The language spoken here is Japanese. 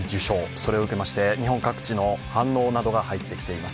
それを受けまして日本各地の反応などが入ってきています。